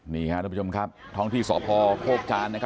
นี่ค่ะทุกผู้ชมครับท้องที่สอบพอพบชาติ